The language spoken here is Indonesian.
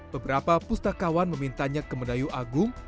beberapa pustakawan memintanya ke mendayu agung